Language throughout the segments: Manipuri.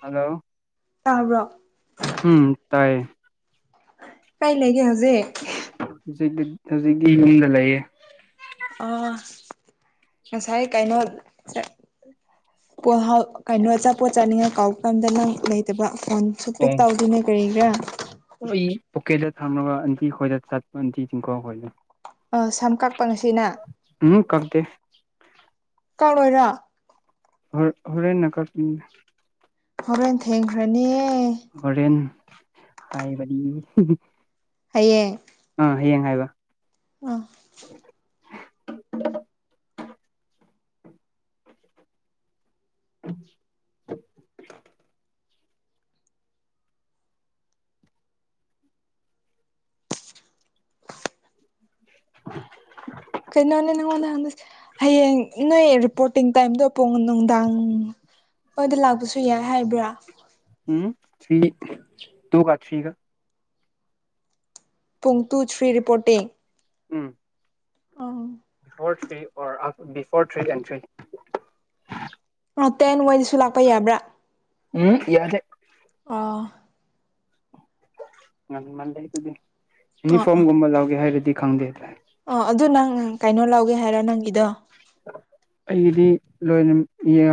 ꯍꯂꯣ ꯇꯥꯕ꯭ꯔꯣ ꯎꯝ ꯇꯥꯏꯌꯦ ꯀꯥꯏ ꯂꯩꯒꯦ ꯍꯧꯖꯤꯛ ꯍꯨꯖꯤꯛꯇꯤ ꯍꯧꯖꯤꯛꯇꯤ ꯌꯨꯝꯗ ꯂꯩꯌꯦ ꯑꯣ ꯉꯁꯥꯏ ꯀꯩꯅꯣ ꯆ ꯄꯣꯍꯥꯎ ꯀꯩꯅꯣ ꯑꯆꯥꯄꯣꯠ ꯆꯥꯅꯤꯡꯉ ꯀꯧ ꯀꯥꯟꯗ ꯅꯪ ꯂꯩꯇꯕ ꯐꯣꯟ ꯁꯨ ꯑꯣ ꯄꯤꯛ ꯇꯧꯗꯦꯅꯦ ꯀ꯭ꯔꯤꯒꯤꯔꯥ ꯑꯩ ꯄꯣꯀꯦꯗ ꯊꯝꯃꯒ ꯑꯟꯇꯤ ꯈꯣꯏꯗ ꯆꯠꯄ ꯑꯟꯇꯤ ꯆꯤꯡꯈꯣ ꯍꯣꯏꯗ ꯑꯥ ꯁꯝ ꯀꯛꯄ ꯉꯁꯤꯅ ꯎꯝꯍ ꯀꯛꯇꯦ ꯀꯥꯎꯂꫭꯏꯔꯥ ꯍꯣ ꯍꯣꯔꯦꯟꯅ ꯀꯛꯆꯤꯅ ꯍꯣꯔꯦꯟ ꯊꯦꯡꯈ꯭ꯔꯅꯤꯌꯦ ꯍꯣꯔꯦꯟ ꯍꯥꯏꯕꯗꯤ ꯍꯤ ꯍꯤ ꯍꯌꯦꯡ ꯑꯥ ꯍꯌꯦꯡ ꯍꯥꯏꯕ ꯑ [inaudible] [inaudible] ꯀꯩꯅꯣꯅꯦ ꯅꯪꯉꯣꯟꯗ ꯍꯪꯗꯣꯏꯁꯦ ꯍꯌꯦꯡ ꯅꯣꯏ ꯔꯤꯄꯣꯔꯇꯤꯡ ꯇꯥꯏꯝꯗꯣ ꯄꯨꯡ ꯅꯨꯡꯗꯥꯡ ꯃꯣꯏꯗ ꯂꯥꯛꯄꯁꯨ ꯌꯥꯏ ꯍꯥꯏꯕ꯭ꯔꯥ ꯎꯝ ꯊ꯭ꯔꯤ ꯇꯨꯒ ꯊ꯭ꯔꯤꯒ ꯄꯨꯡ ꯇꯨ ꯊ꯭ꯔꯤ ꯔꯤꯄꯣꯔꯇꯤꯡ ꯎꯝ ꯑꯪ [unintelligible] ꯑ ꯇꯦꯟ ꯋꯥꯏꯗꯁꯨ ꯂꯥꯛꯄ ꯌꯥꯕ꯭ꯔꯥ ꯎꯝ ꯌꯥꯗꯦ ꯑꯥ ꯉꯟꯃꯟꯂꯦ ꯑꯗꯨꯗꯤ ꯑꯣ ꯌꯨꯅꯤꯐꯣꯝꯒꯨꯝꯕ ꯂꯧꯒꯦ ꯍꯥꯏꯔꯗꯤ ꯈꯪꯗꯦ ꯑꯣ ꯑꯗꯨ ꯅꯪ ꯀꯩꯅꯣ ꯂꯧꯒꯦ ꯍꯥꯏꯔꯣ ꯅꯪꯒꯤꯗꯣ ꯑꯩꯒꯤꯗꯤ ꯂꯣꯏꯅꯝ ꯌꯥ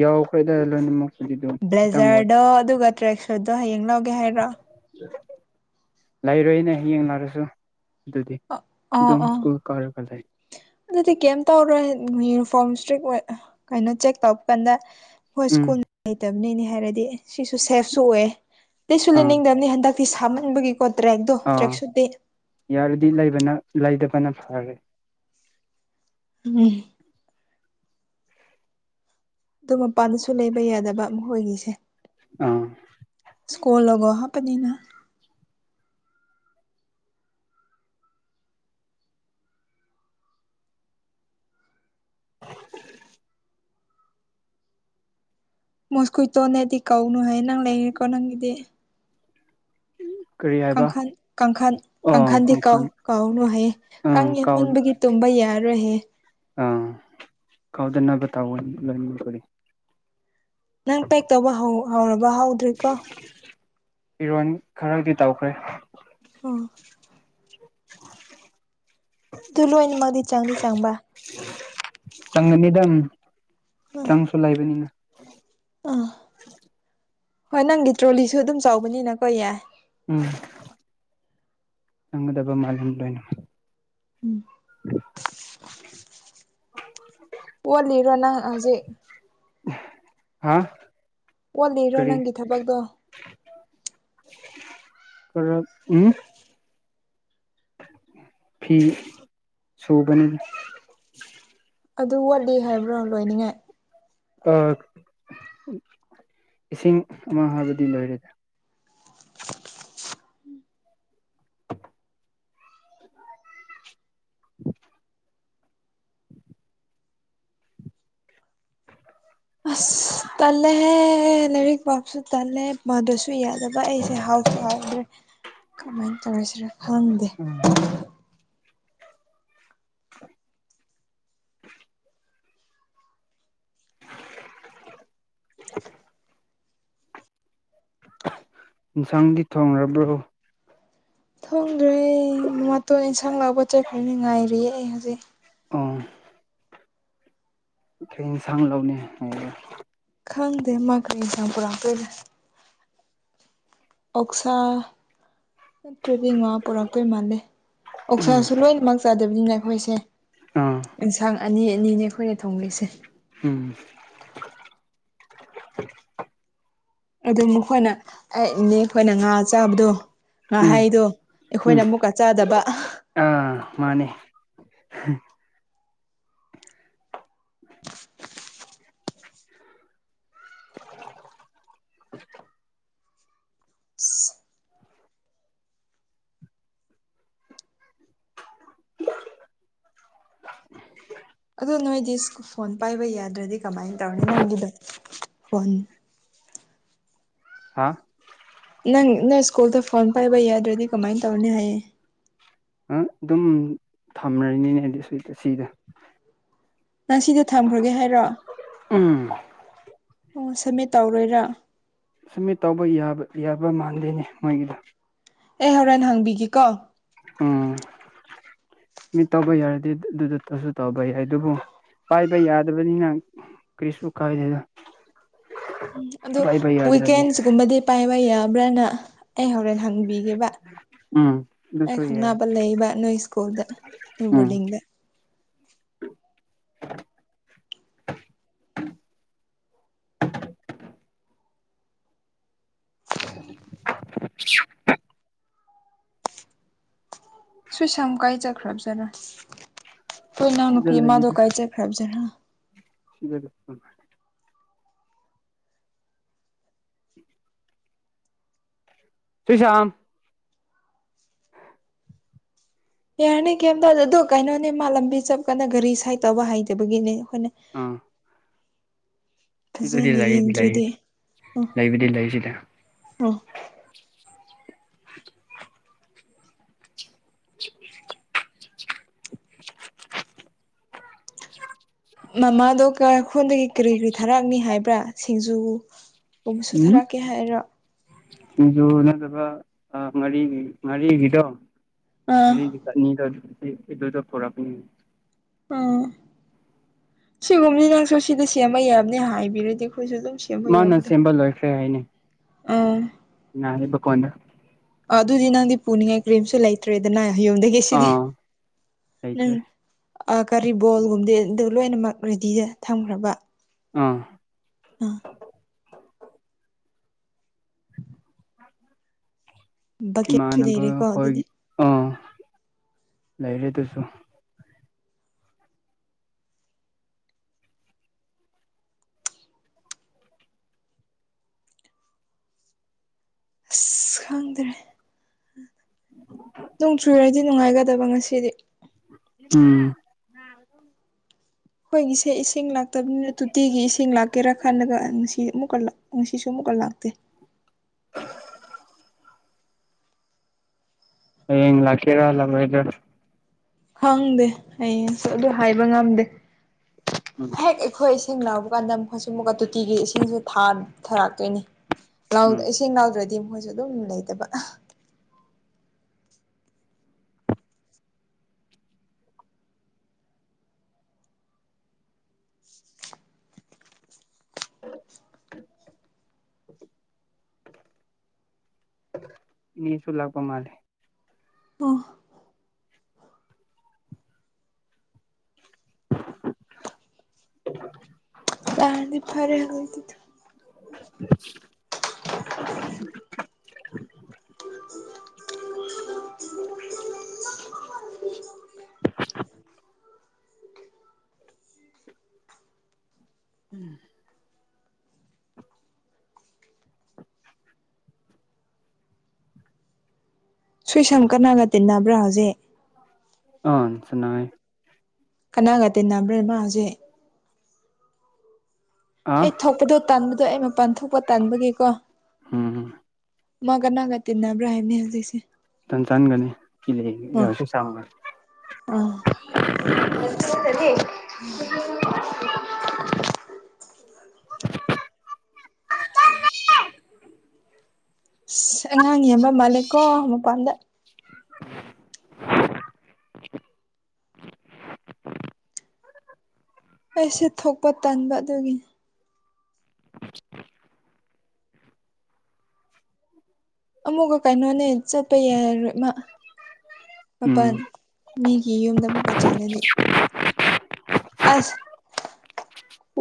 ꯌꯥꯎꯈ꯭ꯔꯦꯗ ꯂꯣꯏꯅꯃꯛ ꯕ꯭ꯂꯦꯖꯔꯗꯣ ꯑꯗꯨꯒ ꯇ꯭ꯔꯦꯛ ꯁꯣꯗꯣ ꯍꯌꯦꯡ ꯂꯧ ꯂꯩꯔꯣꯏꯅꯦ ꯍꯌꯦꯡ ꯂꯥꯔꯁꯨ ꯗꯨꯗꯤ ꯑꯣ ꯗꯨꯝ ꯑꯣ ꯁ꯭ꯀꯨꯜ ꯀꯥꯔꯒ ꯂꯩ ꯑꯗꯨꯗꯤ ꯀꯦꯝ ꯇꯧꯔꯣꯏ ꯌꯨꯅꯤꯐꯣꯝ ꯁꯇ꯭ꯔꯤꯛ ꯑꯣꯏ ꯑ ꯀꯩꯅꯣ ꯆꯦꯛ ꯇꯧꯕ ꯀꯥꯟꯗ ꯍꯣꯏ ꯎꯝ ꯁ꯭ꯀꯨꯜ ꯂꯩꯇꯕꯅꯤꯅꯦ ꯍꯥꯏꯔꯗꯤ ꯁꯤꯁꯨ ꯁꯦꯐꯁꯨ ꯑꯣꯏ ꯑꯇꯩꯁꯨ ꯂꯤꯠꯁꯨ ꯑꯥ ꯂꯤꯠꯅꯤꯡꯗꯝꯅꯤ ꯍꯟꯗꯛ ꯇꯤ ꯁꯥꯃꯟꯕꯒꯤꯀꯣ ꯇ꯭ꯔꯦꯛꯗꯣ ꯑꯥ ꯇ꯭ꯔꯦꯛꯁꯨꯠꯗꯤ ꯌꯥꯔꯗꯤ ꯂꯩꯕꯅ ꯂꯩꯗꯕꯅ ꯐꯔꯦ ꯎꯝ ꯑꯗꯨ ꯃꯄꯥꯟꯗꯁꯨ ꯂꯩꯕ ꯌꯥꯗꯕ ꯃꯈꯣꯏꯒꯤꯁꯦ ꯑꯥ ꯁ꯭ꯀꯣꯜꯂꯣꯒꯣ ꯍꯥꯞꯄꯅꯤꯅ ꯃꯣꯁꯀꯨꯏꯇꯣꯅꯦꯗꯤ ꯀꯧꯅꯨ ꯍꯦ ꯅꯪ ꯂꯩꯔꯦꯀꯣ ꯅꯪꯒꯤꯗꯤ ꯀꯔꯤ ꯍꯥꯏꯕ ꯀꯥꯡꯈꯟ ꯀꯥꯡꯈꯟ ꯑꯣ ꯀꯥꯡꯈꯟꯗꯤ ꯀꯥꯎ ꯈꯣꯡꯈꯥꯡ ꯀꯥꯎꯅꯨ ꯍꯥꯏꯌꯦ ꯀꯥꯡ ꯑꯪ ꯀꯥꯎ ꯌꯥꯝꯃꯟꯕꯒꯤ ꯇꯨꯝꯕ ꯌꯥ ꯗꯔꯥꯍꯦ ꯑꯥ ꯀꯥꯎꯗꯅꯕ ꯇꯥꯎꯑꯦ ꯂꯣꯏꯃꯛꯄꯨꯗꯤ ꯅꯪ ꯄꯦꯛ ꯇꯧꯕ ꯍꯧ ꯍꯧꯔꯕ ꯍꯧ ꯐꯤꯔꯣꯟ ꯈꯔꯗꯤ ꯇꯧꯈ꯭ꯔꯦ ꯑꯣꯥ ꯇꯨ ꯂꯣꯏꯅꯃꯛꯗꯤ ꯆꯪꯗꯤ ꯆꯪꯕ ꯆꯪꯒꯅꯤꯗꯪ ꯆꯪꯁꯨ ꯂꯩꯕꯅꯤꯅ ꯑꯥ ꯍꯣꯏ ꯅꯪꯒꯤ ꯇ꯭ꯔꯣꯂꯤꯁꯨ ꯑꯗꯨꯝ ꯆꯥꯎꯕꯅꯤꯅꯀꯣ ꯌꯥꯏ ꯎꯝ ꯆꯪꯒꯗꯕ ꯃꯥꯟꯂꯦ ꯂꯣꯏꯅ [unintelligible] ꯋꯥꯜꯂꯤꯔ ꯅꯪ ꯑ ꯍꯖꯤꯛ ꯍꯥꯥ ꯋꯥꯠꯂꯤꯔ ꯅꯪꯒꯤ ꯊꯕꯛꯇꯣ ꯀꯔꯛ ꯎꯝ ꯐꯤ ꯁꯨꯕꯅꯤꯗ ꯑꯗꯨ ꯋꯥꯠꯂꯤ ꯍꯥꯏꯕ꯭ꯔꯣ ꯂꯣꯏꯅꯤꯡꯉꯥꯏ [unintelligible] ꯏꯁꯤꯡ ꯑꯃ ꯍꯥꯏꯕꯗꯤ ꯂꯣꯏꯔꯦꯗ [unintelligible] [unintelligible] ꯑꯁ ꯇꯜ ꯂꯦꯍꯦ ꯂꯥꯏꯔꯤꯛ ꯄ ꯁꯨ ꯇꯜꯂꯦ ꯄꯗꯔ꯭ꯁꯨ ꯌꯥꯗꯕ ꯑꯩꯁꯦ ꯍꯥꯎꯗ꯭ꯔꯦ ꯀꯃꯥꯏꯅ ꯇꯧꯔꯁꯤꯔ ꯈꯪꯗꯦ ꯎꯝ [unintelligible] ꯑꯦꯟꯁꯥꯡꯗꯤ ꯊꯣꯡꯔꯕ꯭ꯔꯣ ꯊꯣꯡꯗ꯭ꯔꯦ ꯃꯝꯃꯥꯇꯣꯟ ꯏꯟꯁꯥꯡ ꯂꯧꯕ ꯆꯠꯈ꯭ꯔꯦꯅꯦ ꯉꯥꯏꯔꯤꯌꯦ ꯑꯩ ꯍꯧꯖꯤꯛ ꯑꯥ [unintelligible] ꯁꯥꯡ ꯂꯧꯅꯤ ꯍꯥꯏꯒꯦ ꯈꯪꯗꯦ ꯃꯥ ꯀꯔꯤꯁꯥꯡ ꯄꯨꯔꯛꯇꯣꯏꯅꯣ ꯑꯣꯛꯁꯥ [unintelligible] ꯉꯥ ꯄꯨꯔꯛꯇꯣꯏ ꯃꯥꯟꯂꯦ ꯎꯝ ꯑꯣꯛꯁꯥꯁꯨ ꯂꯣꯏꯅꯃꯛ ꯆꯥꯗꯕꯅꯤꯅ ꯑꯩꯈꯣꯏꯁꯦ ꯑꯥ ꯑꯦꯟꯁꯥꯡ ꯑꯅꯤ ꯑꯅꯤꯅꯦ ꯑꯩꯈꯣꯏꯅ ꯊꯣꯡꯂꯤꯁꯦ ꯎꯝ ꯑꯗꯨ ꯃꯈꯣꯏꯅ ꯑꯩ ‌ꯅꯦ ꯈꯣꯏꯅ ꯉꯥ ꯆꯥꯕꯗꯨ ꯎꯝ ꯉꯍꯩꯗꯣ ꯑꯩꯈꯣꯏꯅ ꯑꯃꯨꯛꯀ ꯆꯥꯗꯕ ꯑ ꯃꯥꯅꯤ ꯑꯗꯣ ꯅꯣꯏꯗꯤ [unintelligible] ꯐꯣꯟ ꯄꯥꯏꯕ ꯌꯥꯗ꯭ꯔꯗꯤ ꯀꯃꯥꯏꯅ ꯇꯧꯔꯅꯤ ꯅꯪꯒꯤꯗ ꯐꯣꯟ ꯍꯥ ꯅꯪ ꯅꯪ ꯁ꯭ꯀꯨꯜꯗ ꯐꯣꯟ ꯄꯥꯏꯕ ꯌꯥꯗ꯭ꯔꯗꯤ ꯀꯃꯥꯏꯅ ꯇꯧꯅꯤ ꯍꯥꯏꯌꯦ ꯍꯥ ꯗꯨꯝ [unintelligible] [unintelligible] ꯅꯪ ꯁꯤꯗ ꯊꯝꯈ꯭ꯔꯒꯦ ꯍꯥꯏꯔꯣ ꯎꯝ ꯑꯣ ꯁꯝꯃꯤꯠ ꯇꯧꯔꯣꯏꯔꯥ ꯁꯃꯤꯠ ꯇꯧꯕ ꯌꯥꯕ ꯌꯥꯕ ꯃꯥꯟꯗꯦꯅꯦ ꯃꯣꯏꯒꯤꯗ ꯑꯦ ꯍꯣꯔꯦꯟ ꯍꯥꯡꯕꯤꯒꯦꯀꯣ ꯎꯝ ꯃꯤ ꯇꯧꯕ ꯌꯥꯔꯗꯤ ꯑꯗꯨꯗꯨ ꯇꯁꯨ ꯇꯧꯕ ꯌꯥꯏ ꯑꯗꯨꯕꯨ ꯄꯥꯏꯕ ꯌꯥꯗꯕꯅꯤꯅ ꯀꯔꯤꯁ ꯀꯥꯏꯗꯦꯗ ꯑꯗꯨ ꯄꯥꯏꯕ ꯌꯥꯗ꯭ꯔꯗꯤ ꯋꯤꯛꯀꯦꯟꯁꯀꯨꯝꯕꯗꯤ ꯄꯥꯏꯕ ꯌꯥꯕ꯭ꯔꯅ ꯑꯩ ꯍꯣꯔꯦꯟ ꯍꯪꯕꯤꯒꯦꯕ ꯎꯝ ꯑꯩ ꯑꯗꯨꯁꯨ ꯌꯥꯏ ꯈꯪꯅꯕ ꯂꯩꯕ ꯅꯣꯏ ꯁ꯭ꯀꯨꯜꯗ ꯅꯣꯏ ꯎꯝ ꯕꯣꯔꯗꯤꯡꯗ [inaudible] ꯁꯨꯏꯁꯝ ꯀꯥꯏ ꯆꯠꯈ꯭ꯔꯕꯖꯥꯠꯔꯥ ꯈꯣꯏꯅꯥꯎ ꯅꯨꯄꯤ ꯁꯤꯗ ꯑꯃꯗꯣ ꯂꯩꯗ ꯀꯥꯏ ꯆꯠꯈ꯭ꯔꯕꯖꯥꯠꯔꯥ [inaudible] ꯁ꯭ꯔꯤꯁꯝ ꯌꯥꯔꯅꯤ ꯀꯔꯤꯝꯇꯧꯗꯦ ꯑꯗꯣ ꯀꯩꯅꯣꯅꯦ ꯃꯥ ꯂꯝꯕꯤ ꯆꯞꯄꯀꯥꯟꯗ ꯒꯥꯔꯤ ꯁꯥꯏꯠ ꯇꯧꯕ ꯍꯩꯇꯕꯒꯤꯅꯦ ꯑꯩꯈꯣꯏꯅ ꯑꯥ ꯁꯤꯗꯗꯤ ꯐꯖꯅ ꯂꯩꯗꯤ ꯂꯩ ꯌꯦꯡꯗ꯭ꯔꯤꯗꯤ ꯑꯥ ꯂꯩꯕꯗꯤ ꯂꯩ ꯁꯤꯗ ꯑꯥ [inaudible] [inaudible] [inaudible] ꯃꯃꯥꯗꯣ ꯀ ꯈꯨꯟꯗꯒꯤ ꯀꯔꯤ ꯀꯔꯤ ꯊꯥꯔꯛꯑꯅꯤ ꯍꯥꯏꯕ꯭ꯔ ꯁꯤꯡꯖꯨ ꯄꯨꯡꯁꯨ ꯎꯝ ꯊꯥꯔꯛ ꯀꯦ ꯍꯥꯏꯔꯣ꯫ ꯁꯤꯡꯖꯨ ꯅꯠꯇ꯭ꯔꯒ ꯉꯥꯔꯤꯒꯤ ꯉꯥꯔꯤꯒꯤꯗꯣ ꯑꯥ ꯉꯥꯔꯤꯒꯤ ꯆꯠꯅꯤꯗꯣ ꯑꯗꯨꯗꯣ ꯄꯨꯔꯛꯀꯅꯤ ꯎꯝ ꯁꯤꯒꯨꯝꯕꯗꯤ ꯅꯪꯁꯨ ꯁꯤꯗ ꯁꯦꯝꯕ ꯌꯥꯕꯅꯤ ꯍꯥꯏꯕꯤꯔꯗꯤ ꯑꯩꯈꯣꯏꯁꯨ ꯑꯗꯨꯝ ꯁꯦꯝ ꯌꯥꯎꯕ ꯃꯥꯅ ꯌꯥꯕꯗꯨ ꯁꯦꯝꯕ ꯎꯝ꯫ ꯅꯅꯤꯃꯀꯣꯟꯗ꯫ ꯑꯗꯨꯗꯤ ꯅꯪꯗꯤ ꯄꯨꯅꯤꯉꯥꯏ ꯀꯔꯤꯝꯁꯨ ꯂꯩꯇ꯭ꯔꯦꯗꯅ ꯌꯨꯝꯗꯒꯤ ꯁꯤꯗꯤ ꯑꯥ ꯅꯪ꯫ ꯂꯩꯇ꯭ꯔꯦ ꯑꯥ ꯀꯔꯤ ꯕꯣꯜꯒꯨꯝꯗꯤ ꯑꯗꯨ ꯂꯣꯏꯅꯃꯛ ꯔꯦꯗꯤꯗ ꯊꯝꯈ꯭ꯔꯕ꯫ ꯑꯥ ꯑꯥ ꯕꯛꯀꯦꯠꯁꯨ ꯏꯃꯥꯟꯅꯕ ꯂꯩꯔꯦꯀꯣ ꯑꯗꯨꯗꯤ ꯑꯩꯈꯣꯏꯒꯤ ꯑꯥ ꯂꯩꯔꯦ ꯑꯗꯨꯁꯨ ꯑꯁ ꯈꯪꯗ꯭ꯔꯦ꯫ [inaudible] ꯅꯣꯡ ꯆꯨꯔꯗꯤ ꯅꯨꯡꯉꯥꯏꯒꯗꯕ ꯉꯁꯤꯗꯤ꯫ ꯎꯝ꯫ ꯑꯩꯈꯣꯏꯒꯤꯁꯦ ꯏꯁꯤꯡ ꯂꯥꯛꯇꯕꯅꯤꯅ ꯇꯣꯇꯤꯒꯤ ꯏꯁꯤꯡ ꯂꯥꯛꯀꯦꯔꯥ ꯈꯥꯟꯂ ꯉꯁꯤ ꯑꯃꯨꯛꯀ ꯂꯥꯛ ꯉꯁꯤꯁꯨ ꯑꯃꯨꯛꯀ ꯂꯥꯛꯇꯦ꯫ ꯍꯌꯦꯡ ꯂꯥꯛꯀꯦꯔꯥ ꯂꯥꯛꯑꯣꯏꯗ꯭ꯔ ꯈꯪꯗꯦ ꯍꯌꯦꯡꯁꯨ ꯑꯗꯨ ꯍꯥꯏꯕ ꯉꯝꯗꯦ ꯎꯝ ꯑꯩꯈꯣꯏ ꯏꯁꯤꯡ ꯂꯛꯄ ꯀꯥꯟꯗ ꯃꯈꯣꯏꯁꯨ ꯑꯃꯨꯛꯀ ꯇꯣꯇꯤꯒꯤ ꯏꯁꯤꯡꯁꯨ ꯊꯥꯔꯛꯇꯣꯏꯅꯤ꯫ ꯥ ꯎꯝ ꯏꯁꯤꯡ ꯂꯧꯗ꯭ꯔꯗꯤ ꯃꯣꯏꯁꯨ ꯑꯗꯨꯝ ꯂꯩꯇꯕ꯫ [inaudible] ꯏꯅꯦꯁꯨ ꯂꯥꯛꯄ ꯃꯥꯜꯂꯦ꯫ ꯑꯣ [inaudible] ꯂꯥꯛꯑꯗꯤ ꯐꯔꯦ [inaudible] [inaudible] [inaudible] ꯁꯨꯏꯁꯝꯀ ꯅꯪꯒ ꯇꯤꯟꯅꯕ꯭ꯔ ꯍꯧꯖꯤꯛ꯫ ꯑꯥ [unintelligible] ꯀꯅꯥꯒ ꯇꯤꯟꯅꯕ꯭ꯔꯦ ꯃꯥ ꯍꯖꯤꯛ꯫ ꯑꯥ ꯑꯩ ꯊꯣꯛꯄꯗꯣ ꯇꯥꯟꯕꯗꯣ ꯑꯩ ꯃꯄꯥꯟ ꯊꯣꯛꯄ ꯇꯥꯟꯕꯒꯤꯀꯣ꯫ ꯎꯝ꯫ ꯃꯥ ꯀꯅꯥꯒ ꯇꯤꯟꯅꯕ꯭ꯔꯥꯥꯏꯅꯦ ꯍꯥꯏꯕꯅꯦ ꯍꯧꯖꯤꯛꯁꯦ꯫ ꯆꯥꯟ ꯆꯥꯟꯒꯅꯤ ꯑꯣ ꯑꯥ [unintelligible] [unintelligible] ꯑꯉꯥꯡ ꯌꯥꯝꯕ ꯃꯥꯜꯂꯦꯀꯣ ꯃꯄꯥꯟꯗ꯫ ꯑꯩꯁꯨ ꯊꯣꯛꯄ ꯇꯟꯥꯟꯕ ꯑꯗꯨꯒꯤ ꯑꯃꯨꯛꯀ ꯀꯩꯅꯣꯅꯦ ꯆꯠꯄ ꯌꯥꯔꯣꯏ ꯃꯥ ꯎꯝ ꯃꯄꯟ꯫ ꯃꯤꯒꯤ ꯌꯨꯝꯗ ꯑꯃꯨꯛꯀ ꯆꯠꯂꯗꯤ꯫ ꯑꯁ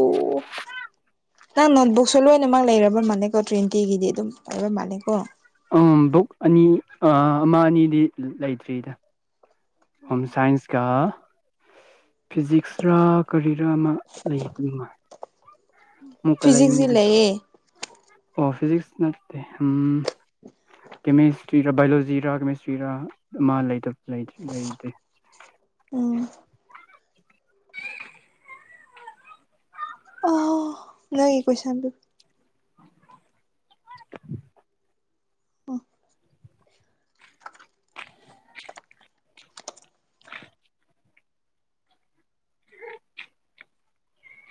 ꯎ꯫ ꯅꯪ ꯅꯣꯠꯕꯨꯛꯁꯨ ꯂꯣꯏꯅꯃꯛ ꯂꯩꯔꯕ ꯃꯥꯜꯂꯦꯀꯣ ꯇ꯭ꯔꯦꯟꯇꯤꯒꯤꯗꯤ ꯑꯗꯨꯝ ꯂꯩꯕ ꯃꯥꯜꯂꯦꯀꯣ꯫ ꯑꯨꯝ ꯕꯨꯛ ꯑꯅꯤ ꯑ ꯑꯃ ꯑꯅꯤꯗꯤ ꯂꯩꯇ꯭ꯔꯤꯗ꯫ ꯍꯣꯝ ꯁꯥꯏꯟꯁ ꯀ ꯐꯤꯖꯤꯛꯁ ꯔ꯫ ꯀꯔꯤꯔ ꯑꯃ ꯂꯩꯕ [unintelligible] ꯃꯨ ꯀ ꯐꯤꯖꯤꯛꯁꯤ ꯂꯩꯗꯨꯗ ꯂꯩꯌꯦ ꯑꯣ ꯐꯤꯖꯤꯛꯁ ꯅꯠꯇꯦ ꯎꯝ ꯀꯦꯃꯤꯁꯇ꯭ꯔꯤꯔꯥ ꯕꯥꯏꯑꯣꯂꯣꯖꯤꯔꯥ ꯀꯦꯃꯤꯁꯇ꯭ꯔꯤꯔꯥ ꯑꯃ ꯂꯩꯇ ꯂꯩ [unintelligible] ꯎꯝ ꯑꯣꯍꯣ ꯅꯣꯏ ꯀꯣꯏꯁꯟ ꯇꯨ [inaudible] ꯑꯣ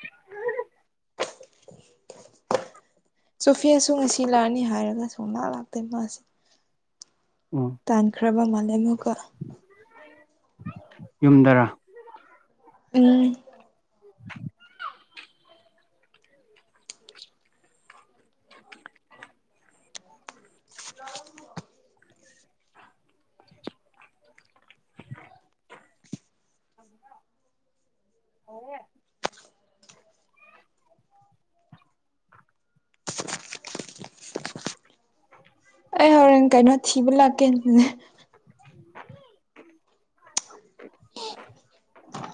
[unintelligible] ꯁꯣꯐꯦꯁꯨ ꯉꯁꯤ ꯂꯥꯛꯅꯤ ꯍꯥꯏꯔꯒ ꯁꯨꯡꯂꯥꯛ ꯂꯥꯛꯇꯦ ꯃꯥꯁ ꯎꯝ ꯇꯥꯟꯈ꯭ꯔꯕ ꯃꯥꯂꯦ ꯑꯃꯨꯛꯀ ꯌꯨꯝꯗꯔꯥ ꯎꯝ [unintelligible] [unintelligible] [unintelligible] ꯍꯧꯔꯦꯟ ꯀꯩꯅꯣ ꯊꯤꯕ ꯂꯥꯛꯀꯦ [unintelligible] [inaudible]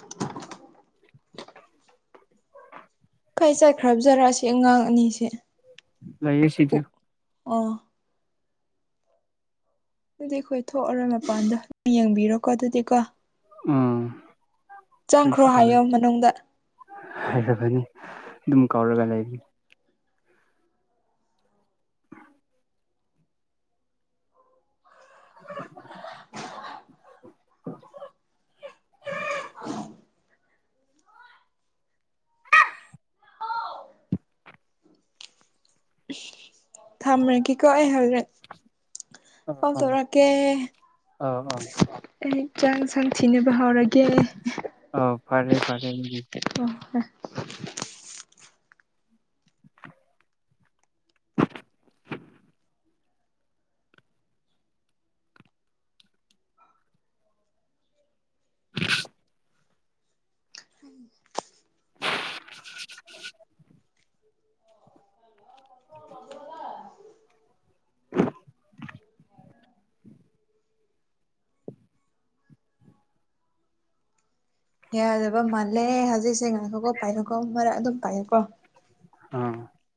ꯀꯥꯏ ꯆꯠꯈ꯭ꯔꯕꯖꯔꯛ ꯑꯁꯤ ꯑꯉꯥꯡ ꯑꯅꯤꯁꯦ ꯂꯩꯌꯦ ꯁꯤꯗ ꯑꯣ ꯑꯣ [unintelligible] ꯑꯩꯈꯣꯏ ꯊꯣꯛꯑꯔꯣꯏ ꯃꯄꯥꯟꯗꯣ ꯌꯦꯡꯕꯤꯔꯣꯀꯣ ꯑꯗꯨꯗꯤ ꯀꯣ ꯎꯝ ꯆꯪꯈ꯭ꯔꯣ ꯀ꯭ꯔꯤꯁꯨ ꯇꯧꯗꯦ ꯍꯥꯏꯌꯣ ꯃꯅꯨꯡꯗ ꯍꯥꯏꯔꯕꯅꯤ ꯑꯗꯨꯝ ꯀꯧꯔꯒ ꯂꯩꯔꯤ [unintelligible] ꯊꯝꯔꯒꯦꯀꯣ ꯑꯩ ꯍꯧꯖꯤꯛ ꯀꯣꯜ ꯑꯥ ꯑꯥ ꯇꯧꯔꯛꯀꯦ ꯑꯥ ꯑꯥ ꯑꯩ ꯆꯥꯛ ꯁꯥꯡꯊꯤꯅꯕ ꯍꯧꯔꯒꯦ ꯑ ꯐꯔꯦ ꯐꯔꯦ ꯎꯝ [unintelligible] [inaudible] [unintelligible] ꯌꯥꯗꯕ ꯃꯥꯜꯂꯦ ꯍꯧꯖꯤꯛꯁꯦ ꯉꯏꯈꯣꯀꯣ ꯄꯥꯏꯔꯣꯀꯣ ꯃꯔꯛ ꯑꯗꯨꯝ ꯄꯥꯏꯔꯣꯀꯣ ꯑ